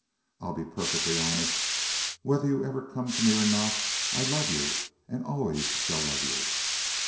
I'll be perfectly honest—whether you ever come to me or not—I love you, and always shall love you."